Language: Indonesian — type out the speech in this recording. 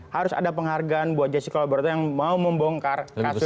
harus ada penghargaan buat justice collaborator yang mau membongkar kasus ini